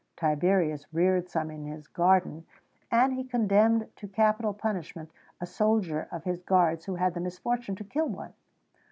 Tiberius reared some in his gardens; and he condemned to capital punishment a soldier of his guards who had the misfortune to kill one.